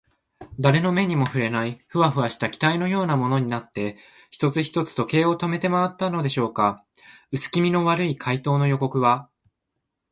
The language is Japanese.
だれの目にもふれない、フワフワした気体のようなものになって、一つ一つ時計を止めてまわったのでしょうか。うすきみの悪い怪盗の予告は、